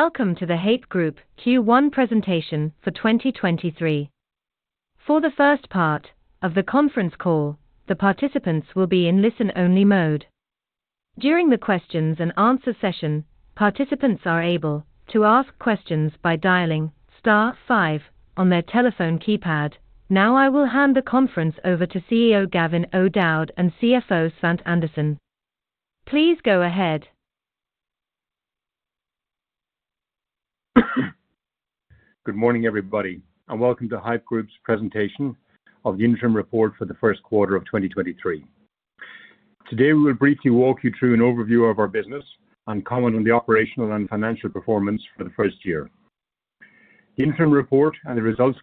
Welcome to the Haypp Group Q1 presentation for 2023. For the first part of the conference call, the participants will be in listen-only mode. During the questions and answer session, participants are able to ask questions by dialing star five on their telephone keypad. Now I will hand the conference over to CEO Gavin O'Dowd and CFO Svante Andersson. Please go ahead. Good morning, everybody, and welcome to Haypp Group's presentation of the interim report for the first quarter of 2023. Today, we will briefly walk you through an overview of our business and comment on the operational and financial performance for the first year. The interim report and the results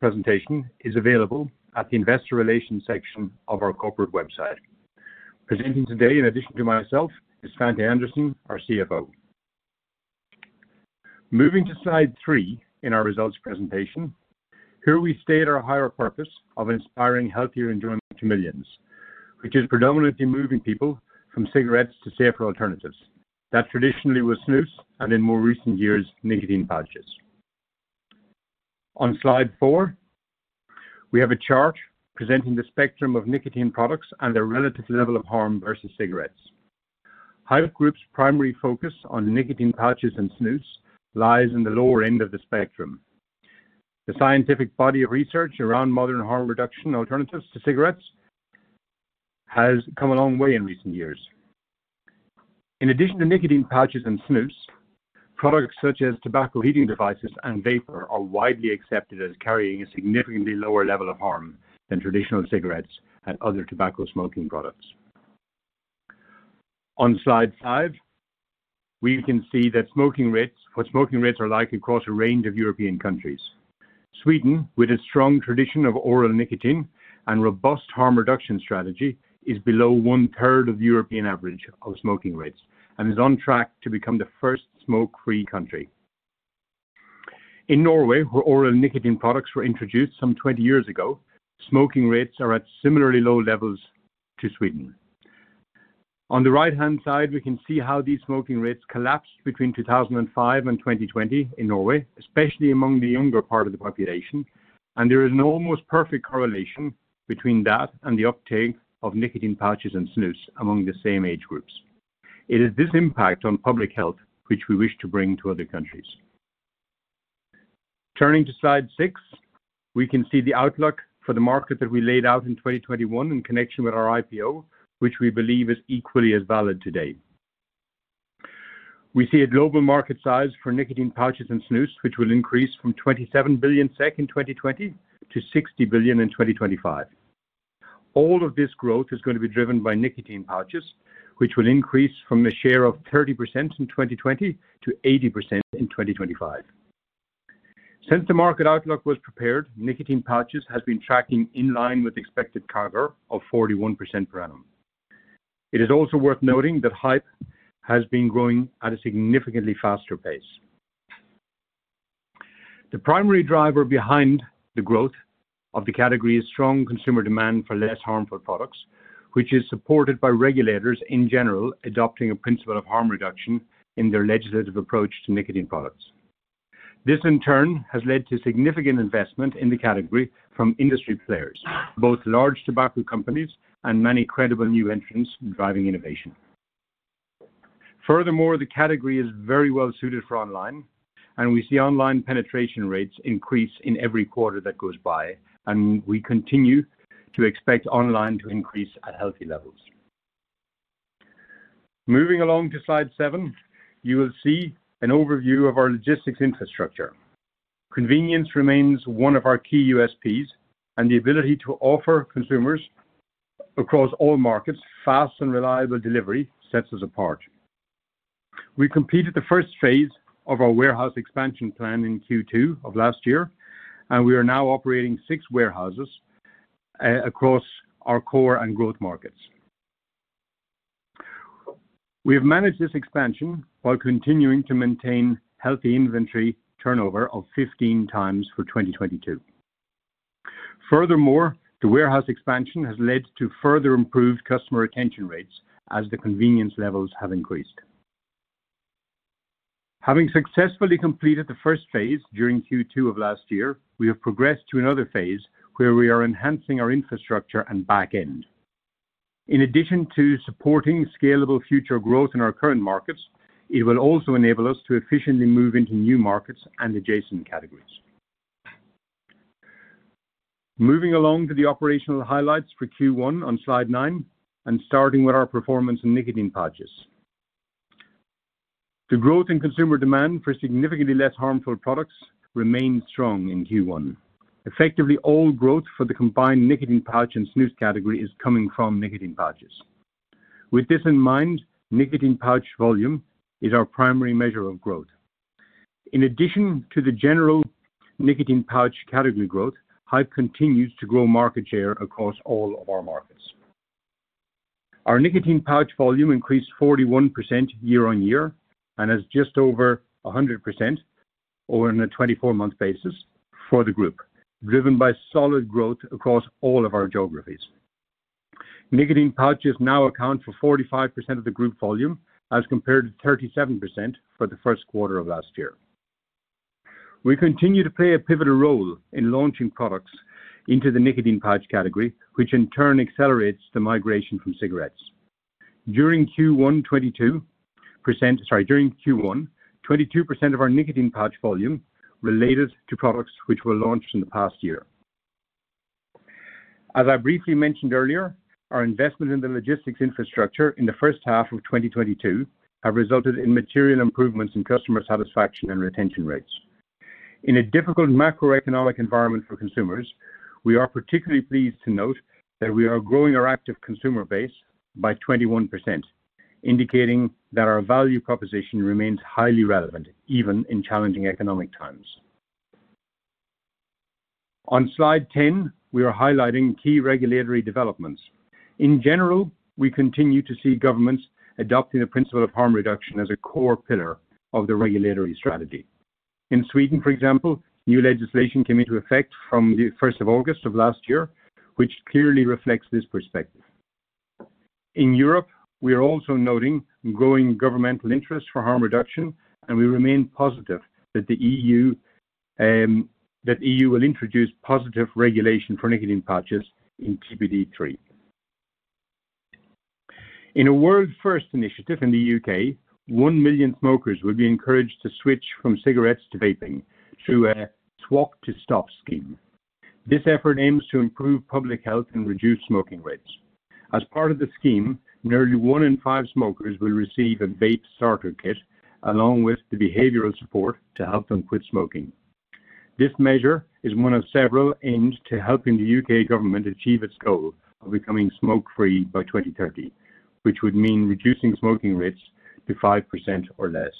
presentation is available at the investor relations section of our corporate website. Presenting today, in addition to myself, is Svante Andersson, our CFO. Moving to slide three in our results presentation, here we state our higher purpose of inspiring healthier enjoyment to millions, which is predominantly moving people from cigarettes to safer alternatives. That traditionally was snus, and in more recent years, nicotine pouches. On slide four, we have a chart presenting the spectrum of nicotine products and their relative level of harm versus cigarettes. Haypp Group's primary focus on nicotine pouches and snus lies in the lower end of the spectrum. The scientific body of research around modern harm reduction alternatives to cigarettes has come a long way in recent years. In addition to nicotine pouches and snus, products such as heated tobacco products and vapor are widely accepted as carrying a significantly lower level of harm than traditional cigarettes and other tobacco smoking products. On slide five, we can see what smoking rates are like across a range of European countries. Sweden, with a strong tradition of oral nicotine and robust harm reduction strategy, is below one-third of European average of smoking rates and is on track to become the first smoke-free country. In Norway, where oral nicotine products were introduced some 20 years ago, smoking rates are at similarly low levels to Sweden. On the right-hand side, we can see how these smoking rates collapsed between 2005 and 2020 in Norway, especially among the younger part of the population. There is an almost perfect correlation between that and the uptake of nicotine pouches and snus among the same age groups. It is this impact on public health which we wish to bring to other countries. Turning to slide six, we can see the outlook for the market that we laid out in 2021 in connection with our IPO, which we believe is equally as valid today. We see a global market size for nicotine pouches and snus, which will increase from 27 billion SEK in 2020 to 60 billion in 2025. All of this growth is gonna be driven by nicotine pouches, which will increase from a share of 30% in 2020 to 80% in 2025. Since the market outlook was prepared, nicotine pouches has been tracking in line with expected cover of 41% per annum. It is also worth noting that Haypp has been growing at a significantly faster pace. The primary driver behind the growth of the category is strong consumer demand for less harmful products, which is supported by regulators, in general, adopting a principle of harm reduction in their legislative approach to nicotine products. This, in turn, has led to significant investment in the category from industry players, both large tobacco companies and many credible new entrants driving innovation. The category is very well suited for online, and we see online penetration rates increase in every quarter that goes by, and we continue to expect online to increase at healthy levels. Moving along to slide seven, you will see an overview of our logistics infrastructure. Convenience remains one of our key USPs, and the ability to offer consumers across all markets fast and reliable delivery sets us apart. We completed the first phase of our warehouse expansion plan in Q2 of last year, and we are now operating 6 warehouses across our core and growth markets. We have managed this expansion while continuing to maintain healthy inventory turnover of 15 times for 2022. The warehouse expansion has led to further improved customer retention rates as the convenience levels have increased. Having successfully completed the first phase during Q2 of last year, we have progressed to another phase where we are enhancing our infrastructure and back end. In addition to supporting scalable future growth in our current markets, it will also enable us to efficiently move into new markets and adjacent categories. Moving along to the operational highlights for Q1 on slide nine and starting with our performance in nicotine pouches. The growth in consumer demand for significantly less harmful products remained strong in Q1. Effectively, all growth for the combined nicotine pouch and snus category is coming from nicotine pouches. With this in mind, nicotine pouch volume is our primary measure of growth. In addition to the general nicotine pouch category growth, Haypp continues to grow market share across all of our markets. Our nicotine pouch volume increased 41% year-on-year and is just over 100% over a 24-month basis for the group, driven by solid growth across all of our geographies. Nicotine pouches now account for 45% of the group volume as compared to 37% for the first quarter of last year. We continue to play a pivotal role in launching products into the nicotine pouch category, which in turn accelerates the migration from cigarettes. During Q1, 22% of our nicotine pouch volume related to products which were launched in the past year. As I briefly mentioned earlier, our investment in the logistics infrastructure in the first half of 2022 have resulted in material improvements in customer satisfaction and retention rates. In a difficult macroeconomic environment for consumers, we are particularly pleased to note that we are growing our active consumer base by 21%, indicating that our value proposition remains highly relevant even in challenging economic times. On slide 10, we are highlighting key regulatory developments. In general, we continue to see governments adopting the principle of harm reduction as a core pillar of the regulatory strategy. In Sweden, for example, new legislation came into effect from the 1st of August of last year, which clearly reflects this perspective. In Europe, we are also noting growing governmental interest for harm reduction, and we remain positive that the EU will introduce positive regulation for nicotine pouches in TPD3. In a world-first initiative in the UK, 1 million smokers will be encouraged to switch from cigarettes to vaping through a Swap to Stop scheme. This effort aims to improve public health and reduce smoking rates. As part of the scheme, nearly one in five smokers will receive a vape starter kit, along with the behavioral support to help them quit smoking. This measure is one of several aims to helping the U.K. government achieve its goal of becoming smoke-free by 2030, which would mean reducing smoking rates to 5% or less.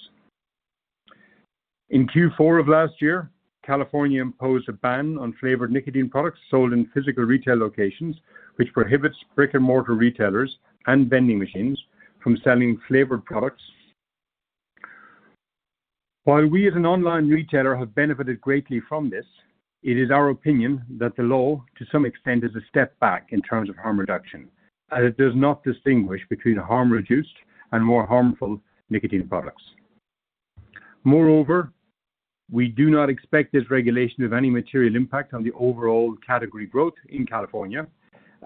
In Q4 of last year, California imposed a ban on flavored nicotine products sold in physical retail locations, which prohibits brick-and-mortar retailers and vending machines from selling flavored products. While we as an online retailer have benefited greatly from this, it is our opinion that the law, to some extent, is a step back in terms of harm reduction, as it does not distinguish between harm reduced and more harmful nicotine products. Moreover, we do not expect this regulation to have any material impact on the overall category growth in California,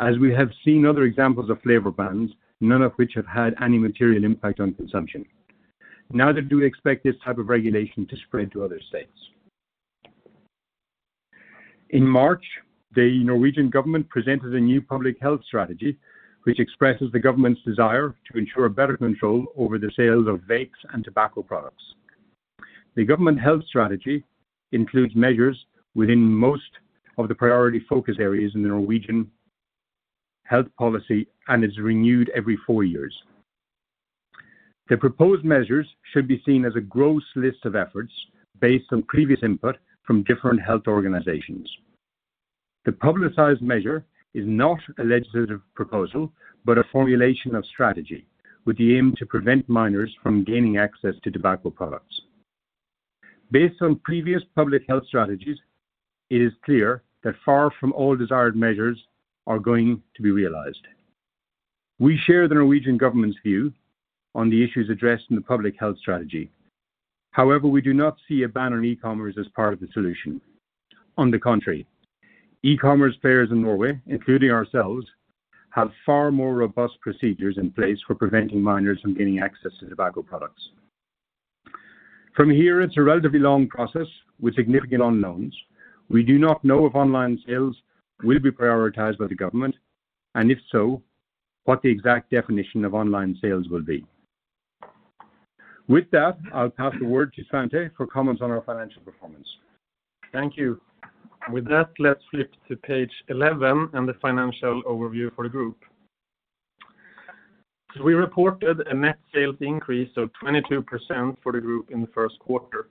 as we have seen other examples of flavor bans, none of which have had any material impact on consumption. Neither do we expect this type of regulation to spread to other states. In March, the Norwegian government presented a new public health strategy, which expresses the government's desire to ensure better control over the sales of vapes and tobacco products. The government health strategy includes measures within most of the priority focus areas in the Norwegian health policy and is renewed every four years. The proposed measures should be seen as a gross list of efforts based on previous input from different health organizations. The publicized measure is not a legislative proposal, but a formulation of strategy with the aim to prevent minors from gaining access to tobacco products. Based on previous public health strategies, it is clear that far from all desired measures are going to be realized. We share the Norwegian government's view on the issues addressed in the public health strategy. However, we do not see a ban on e-commerce as part of the solution. On the contrary, e-commerce players in Norway, including ourselves, have far more robust procedures in place for preventing minors from gaining access to tobacco products. From here, it's a relatively long process with significant unknowns. We do not know if online sales will be prioritized by the government, and if so, what the exact definition of online sales will be. With that, I'll pass the word to Svante for comments on our financial performance. Thank you. With that, let's flip to page 11 and the financial overview for the group. We reported a net sales increase of 22% for the group in the first quarter.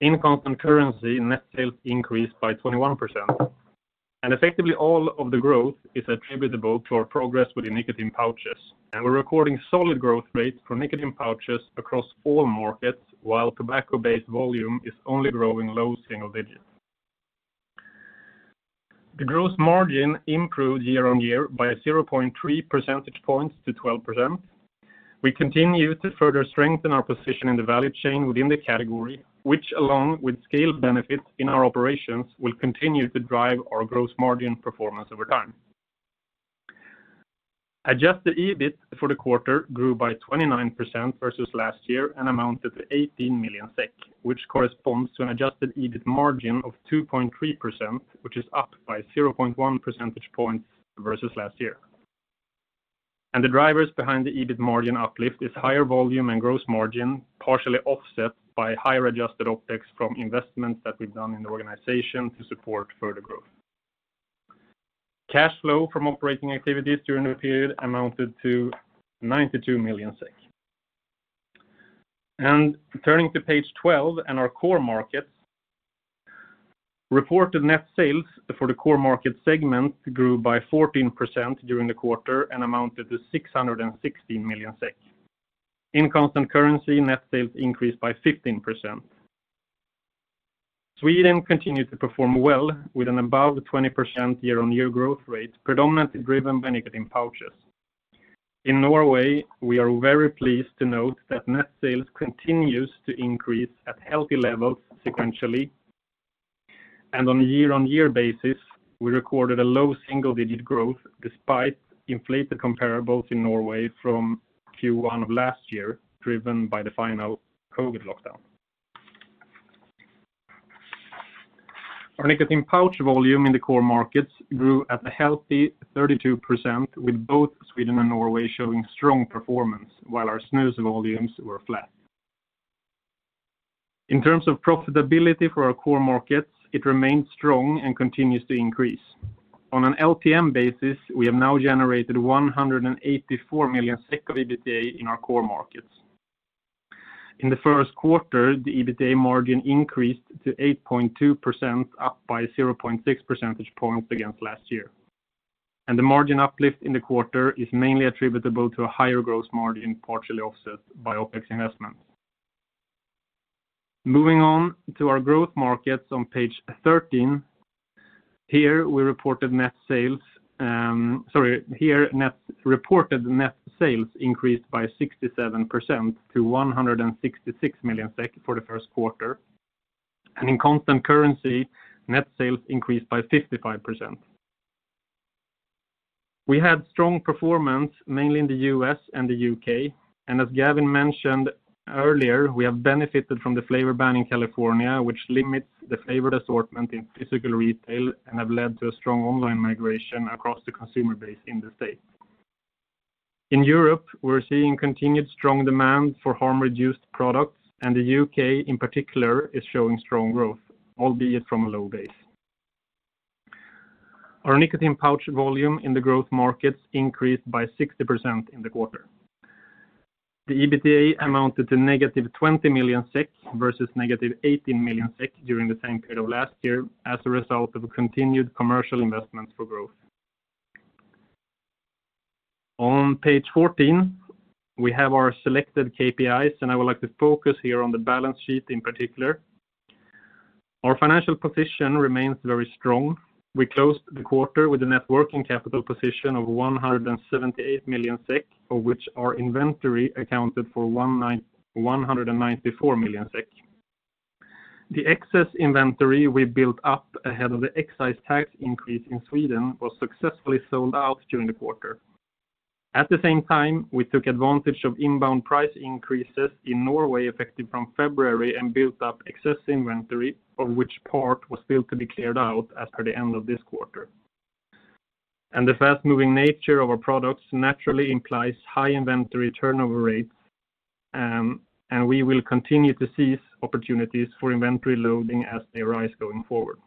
In constant currency, net sales increased by 21%, effectively all of the growth is attributable to our progress with the nicotine pouches. We're recording solid growth rates for nicotine pouches across all markets, while tobacco-based volume is only growing low single digits. The gross margin improved year-over-year by 0.3 percentage points to 12%. We continue to further strengthen our position in the value chain within the category, which, along with scale benefits in our operations, will continue to drive our gross margin performance over time. Adjusted EBIT for the quarter grew by 29% versus last year and amounted to 18 million SEK, which corresponds to an adjusted EBIT margin of 2.3%, which is up by 0.1 percentage points versus last year. The drivers behind the EBIT margin uplift is higher volume and gross margin, partially offset by higher adjusted OpEx from investments that we've done in the organization to support further growth. Cash flow from operating activities during the period amounted to 92 million SEK. Turning to page 12 and our core markets, reported net sales for the core market segment grew by 14% during the quarter and amounted to 616 million SEK. In constant currency, net sales increased by 15%. Sweden continued to perform well with an above 20% year-on-year growth rate, predominantly driven by nicotine pouches. In Norway, we are very pleased to note that net sales continues to increase at healthy levels sequentially. On a year-on-year basis, we recorded a low single-digit growth despite inflated comparables in Norway from Q1 of last year, driven by the final COVID lockdown. Our nicotine pouch volume in the core markets grew at a healthy 32%, with both Sweden and Norway showing strong performance, while our snus volumes were flat. In terms of profitability for our core markets, it remains strong and continues to increase. On an LTM basis, we have now generated 184 million SEK of EBITDA in our core markets. In the first quarter, the EBITDA margin increased to 8.2%, up by 0.6 percentage points against last year. The margin uplift in the quarter is mainly attributable to a higher gross margin, partially offset by OpEx investments. Moving on to our growth markets on page 13. Here we reported net sales, sorry, reported net sales increased by 67% to 166 million SEK for the first quarter. In constant currency, net sales increased by 55%. We had strong performance mainly in the U.S. and the U.K., and as Gavin mentioned earlier, we have benefited from the flavor ban in California, which limits the flavored assortment in physical retail and have led to a strong online migration across the consumer base in the state. In Europe, we're seeing continued strong demand for harm-reduced products, and the U.K. in particular is showing strong growth, albeit from a low base. Our nicotine pouch volume in the growth markets increased by 60% in the quarter. The EBITDA amounted to negative 20 million SEK versus negative 18 million SEK during the same period of last year as a result of continued commercial investments for growth. On page 14, we have our selected KPIs, and I would like to focus here on the balance sheet in particular. Our financial position remains very strong. We closed the quarter with a net working capital position of 178 million SEK, of which our inventory accounted for 194 million SEK. The excess inventory we built up ahead of the excise tax increase in Sweden was successfully sold out during the quarter. At the same time, we took advantage of inbound price increases in Norway effective from February and built up excess inventory, of which part was still to be cleared out as per the end of this quarter. The fast-moving nature of our products naturally implies high inventory turnover rates, and we will continue to seize opportunities for inventory loading as they arise going forward.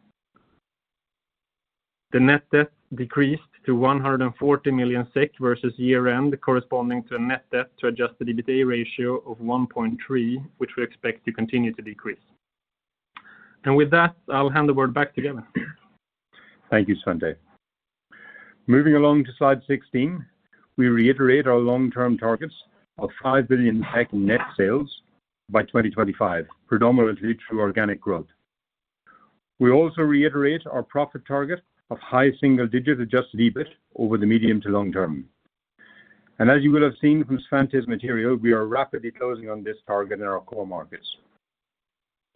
The net debt decreased to 140 million SEK versus year-end, corresponding to a net debt to adjusted EBITDA ratio of 1.3, which we expect to continue to decrease. With that, I'll hand the word back to Gavin. Thank you, Svante. Moving along to slide 16, we reiterate our long-term targets of 5 billion net sales by 2025, predominantly through organic growth. We also reiterate our profit target of high single digits adjusted EBIT over the medium to long term. As you will have seen from Svante's material, we are rapidly closing on this target in our core markets.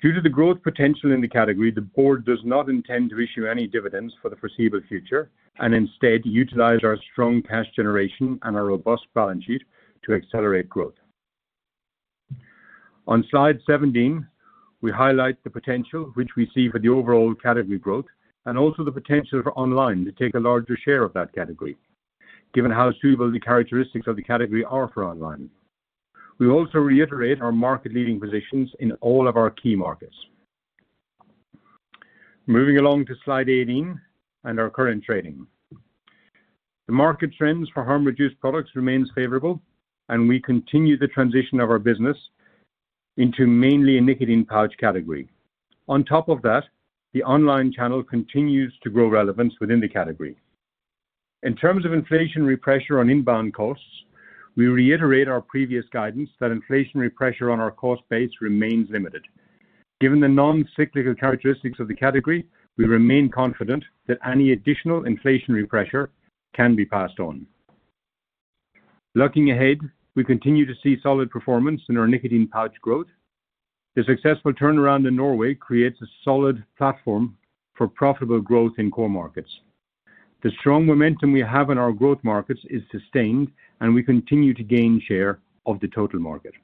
Due to the growth potential in the category, the board does not intend to issue any dividends for the foreseeable future, and instead utilize our strong cash generation and our robust balance sheet to accelerate growth. On slide 17, we highlight the potential which we see for the overall category growth and also the potential for online to take a larger share of that category, given how suitable the characteristics of the category are for online. We also reiterate our market-leading positions in all of our key markets. Moving along to slide 18 and our current trading. The market trends for harm-reduced products remains favorable, and we continue the transition of our business into mainly a nicotine pouch category. On top of that, the online channel continues to grow relevance within the category. In terms of inflationary pressure on inbound costs, we reiterate our previous guidance that inflationary pressure on our cost base remains limited. Given the non-cyclical characteristics of the category, we remain confident that any additional inflationary pressure can be passed on. Looking ahead, we continue to see solid performance in our nicotine pouch growth. The successful turnaround in Norway creates a solid platform for profitable growth in core markets. The strong momentum we have in our growth markets is sustained, and we continue to gain share of the total market.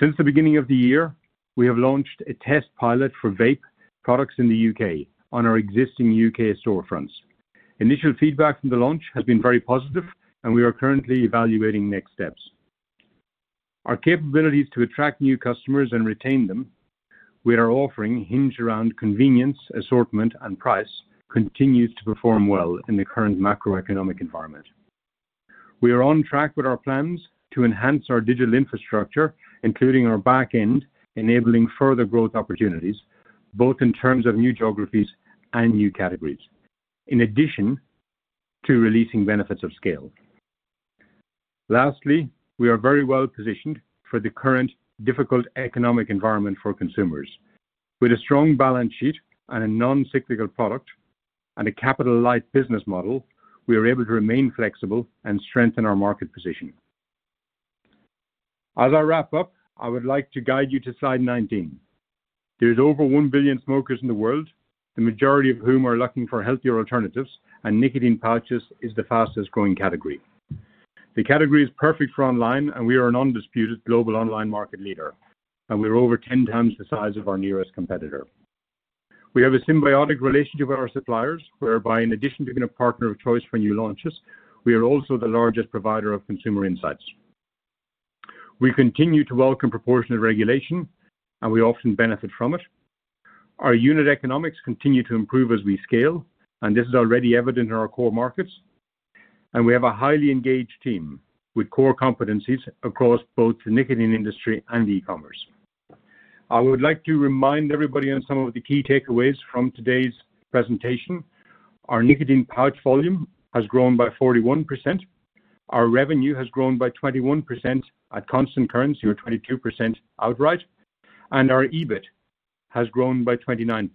Since the beginning of the year, we have launched a test pilot for vape products in the U.K. on our existing U.K. storefronts. Initial feedback from the launch has been very positive, and we are currently evaluating next steps. Our capabilities to attract new customers and retain them, we are offering hinge around convenience, assortment, and price continues to perform well in the current macroeconomic environment. We are on track with our plans to enhance our digital infrastructure, including our back-end, enabling further growth opportunities, both in terms of new geographies and new categories, in addition to releasing benefits of scale. Lastly, we are very well-positioned for the current difficult economic environment for consumers. With a strong balance sheet and a non-cyclical product and a capital light business model, we are able to remain flexible and strengthen our market position. As I wrap up, I would like to guide you to slide 19. There is over 1 billion smokers in the world, the majority of whom are looking for healthier alternatives. Nicotine pouches is the fastest-growing category. The category is perfect for online. We are an undisputed global online market leader. We are over 10 times the size of our nearest competitor. We have a symbiotic relationship with our suppliers, whereby in addition to being a partner of choice for new launches, we are also the largest provider of consumer insights. We continue to welcome proportionate regulation. We often benefit from it. Our unit economics continue to improve as we scale. This is already evident in our core markets. We have a highly engaged team with core competencies across both the nicotine industry and e-commerce. I would like to remind everybody on some of the key takeaways from today's presentation. Our nicotine pouch volume has grown by 41%. Our revenue has grown by 21% at constant currency or 22% outright, and our EBIT has grown by 29%.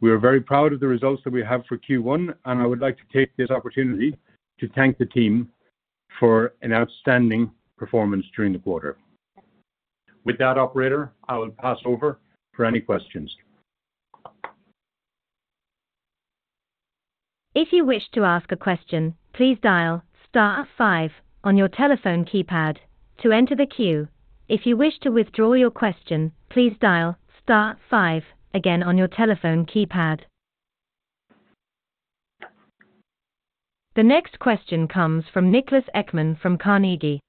We are very proud of the results that we have for Q1. I would like to take this opportunity to thank the team for an outstanding performance during the quarter. With that operator, I will pass over for any questions. If you wish to ask a question, please dial star five on your telephone keypad to enter the queue. If you wish to withdraw your question, please dial star five again on your telephone keypad. The next question comes from Niklas Ekman from Carnegie.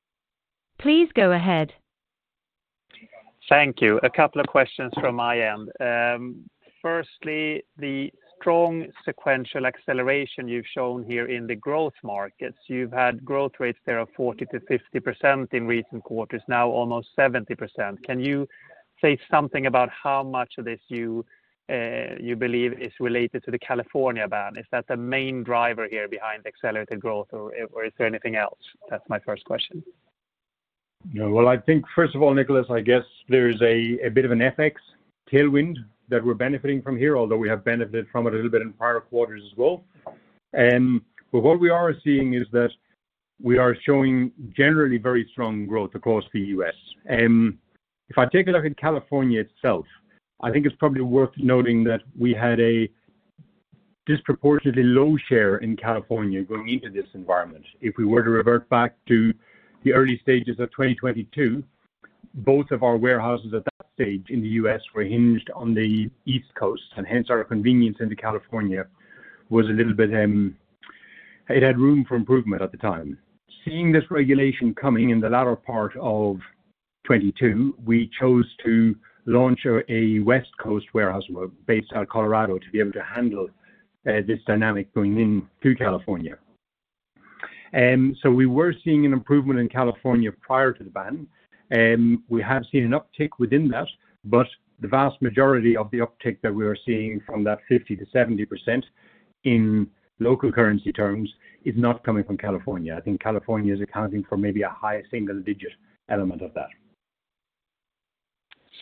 Please go ahead. Thank you. A couple of questions from my end. Firstly, the strong sequential acceleration you've shown here in the growth markets. You've had growth rates that are 40%-50% in recent quarters, now almost 70%. Can you say something about how much of this you believe is related to the California ban? Is that the main driver here behind accelerated growth or is there anything else? That's my first question. Yeah. Well, I think first of all, Niklas, I guess there's a bit of an FX tailwind that we're benefiting from here, although we have benefited from it a little bit in prior quarters as well. But what we are seeing is that we are showing generally very strong growth across the U.S. If I take a look at California itself, I think it's probably worth noting that we had a disproportionately low share in California going into this environment. If we were to revert back to the early stages of 2022, both of our warehouses at that stage in the U.S. were hinged on the East Coast. Hence our convenience into California was a little bit, it had room for improvement at the time. Seeing this regulation coming in the latter part of 2022, we chose to launch a West Coast warehouse based out of Colorado to be able to handle this dynamic going in through California. We were seeing an improvement in California prior to the ban, we have seen an uptick within that, but the vast majority of the uptick that we are seeing from that 50%-70% in local currency terms is not coming from California. I think California is accounting for maybe a high single-digit element of that.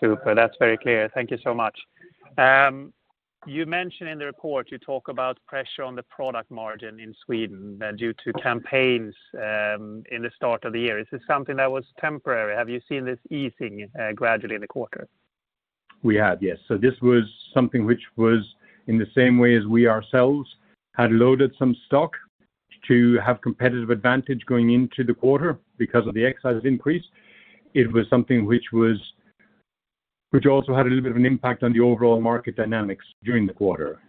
Super. That's very clear. Thank you so much. You mentioned in the report you talk about pressure on the product margin in Sweden due to campaigns in the start of the year. Is this something that was temporary? Have you seen this easing gradually in the quarter? We have, yes. This was something which was in the same way as we ourselves had loaded some stock to have competitive advantage going into the quarter because of the excise increase. It was something which also had a little bit of an impact on the overall market dynamics during the quarter.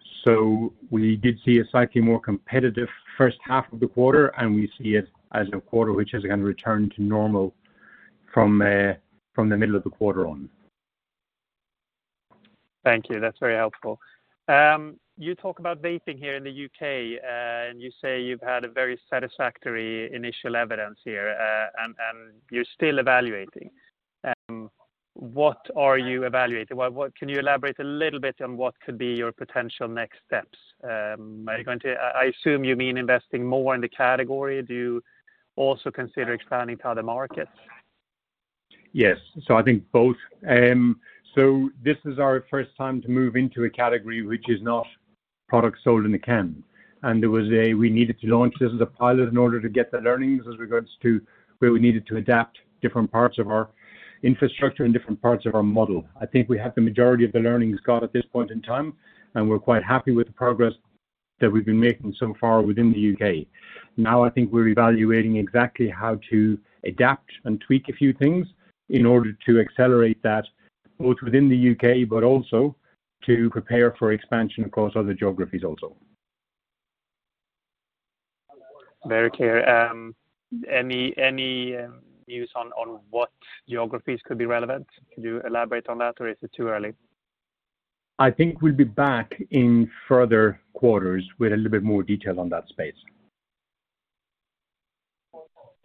We did see a slightly more competitive first half of the quarter, and we see it as a quarter which is again return to normal from the middle of the quarter on. Thank you. That's very helpful. You talk about vaping here in the U.K., and you say you've had a very satisfactory initial evidence here, and you're still evaluating. What are you evaluating? Can you elaborate a little bit on what could be your potential next steps? Are you going to... I assume you mean investing more in the category. Do you also consider expanding to other markets? Yes. I think both. This is our first time to move into a category which is not products sold in the can. We needed to launch this as a pilot in order to get the learnings as regards to where we needed to adapt different parts of our infrastructure and different parts of our model. I think we have the majority of the learnings got at this point in time, and we're quite happy with the progress that we've been making so far within the U.K. I think we're evaluating exactly how to adapt and tweak a few things in order to accelerate that, both within the U.K. but also to prepare for expansion across other geographies also. Very clear. Any views on what geographies could be relevant? Could you elaborate on that, or is it too early? I think we'll be back in further quarters with a little bit more detail on that space.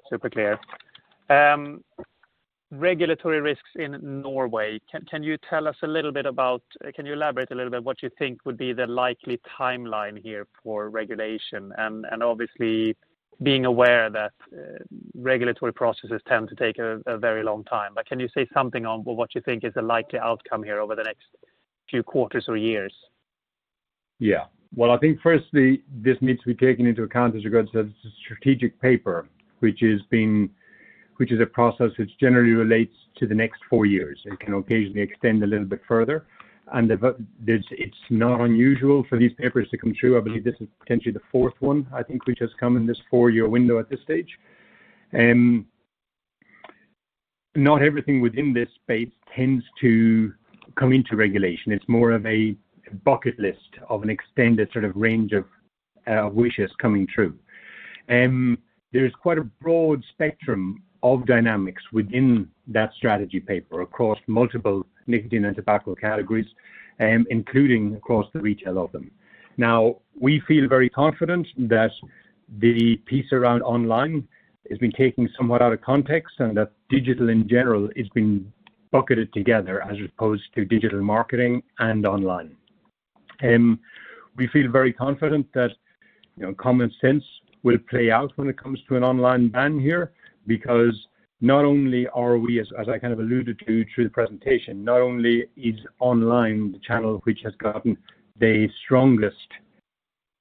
Super clear. Regulatory risks in Norway. Can you elaborate a little bit what you think would be the likely timeline here for regulation and obviously being aware that regulatory processes tend to take a very long time. Can you say something on what you think is a likely outcome here over the next few quarters or years. Well, I think firstly, this needs to be taken into account as regards to strategic paper, which is a process which generally relates to the next four years. It can occasionally extend a little bit further, it's not unusual for these papers to come through. I believe this is potentially the fourth one, I think, which has come in this four-year window at this stage. Not everything within this space tends to come into regulation. It's more of a bucket list of an extended sort of range of wishes coming through. There's quite a broad spectrum of dynamics within that strategy paper across multiple nicotine and tobacco categories, including, of course, the retail of them. We feel very confident that the piece around online has been taken somewhat out of context, and that digital in general is being bucketed together as opposed to digital marketing and online. We feel very confident that, you know, common sense will play out when it comes to an online ban here, because not only are we, as I kind of alluded to through the presentation, not only is online the channel which has gotten the strongest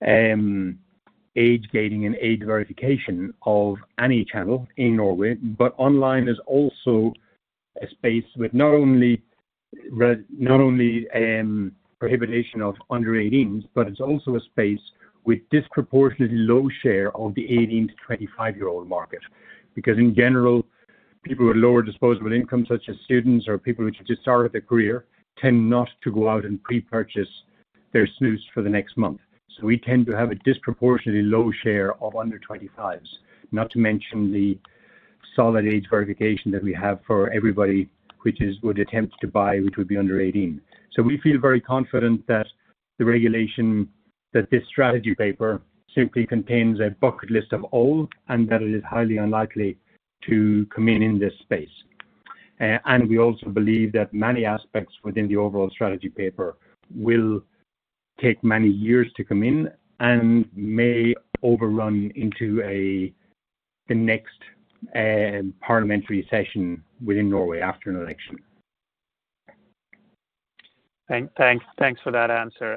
age gating and age verification of any channel in Norway, but online is also a space with not only prohibition of under 18s, but it's also a space with disproportionately low share of the 18-25-year-old market. In general, people with lower disposable income, such as students or people which have just started their career, tend not to go out and pre-purchase their snus for the next month. We tend to have a disproportionately low share of under 25s. Not to mention the solid age verification that we have for everybody, which is would attempt to buy, which would be under 18. We feel very confident that the regulation, that this strategy paper simply contains a bucket list of all and that it is highly unlikely to come in in this space. We also believe that many aspects within the overall strategy paper will take many years to come in and may overrun into a, the next, parliamentary session within Norway after an election. Thanks for that answer.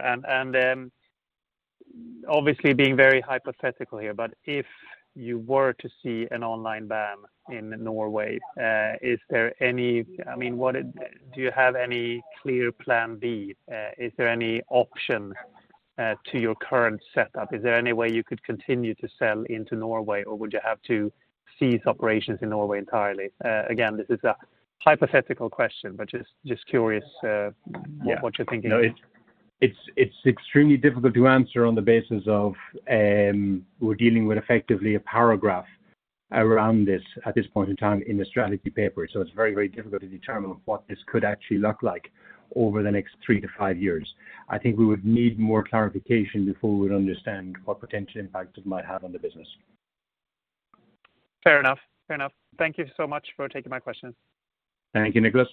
Obviously being very hypothetical here, but if you were to see an online ban in Norway, is there any... I mean, do you have any clear plan B? Is there any option to your current setup? Is there any way you could continue to sell into Norway, or would you have to cease operations in Norway entirely? Again, this is a hypothetical question, but just curious what you're thinking. Yeah. No, it's extremely difficult to answer on the basis of, we're dealing with effectively a paragraph around this at this point in time in the strategy paper. It's very, very difficult to determine what this could actually look like over the next three to five years. I think we would need more clarification before we would understand what potential impact it might have on the business Fair enough. Fair enough. Thank you so much for taking my questions. Thank you, Niklas.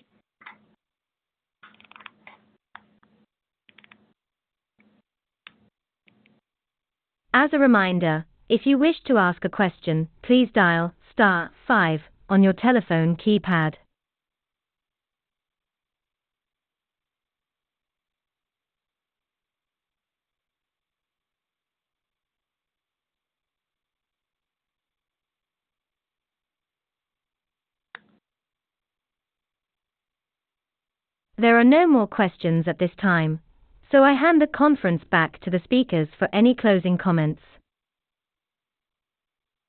As a reminder, if you wish to ask a question, please dial star five on your telephone keypad. There are no more questions at this time. I hand the conference back to the speakers for any closing comments.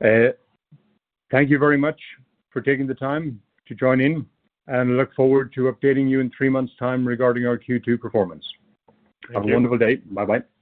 Thank you very much for taking the time to join in, and look forward to updating you in 3 months' time regarding our Q2 performance. Thank you. Have a wonderful day. Bye-bye.